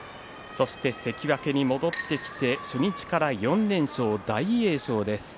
そして関脇に戻ってきて初日から４連勝、大栄翔です。